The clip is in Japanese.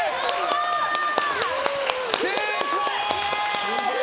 成功です！